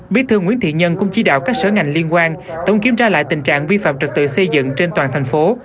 bí thư nguyễn thiện nhân cũng chỉ đạo các sở ngành liên quan tổng kiểm tra lại tình trạng vi phạm trật tự xây dựng trên toàn thành phố